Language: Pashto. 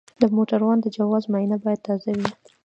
د موټروان د جواز معاینه باید تازه وي.